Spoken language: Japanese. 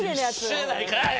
一緒やないかい！